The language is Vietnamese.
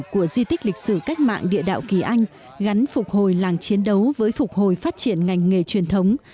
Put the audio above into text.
của di tích lịch sử cách mạng địa đạo kỳ anh gắn phục hồi làng chiến đấu với phục hồi phát triển ngành nghề truyền thống